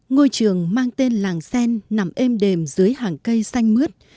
ngôi trường mang tên làng xen nằm êm đềm dưới hàng cây xanh mướt